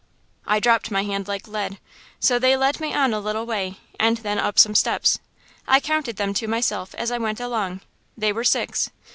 "I dropped my hand like lead. So they led me on a little way, and then up some steps. I counted them to myself as I went along. They were six.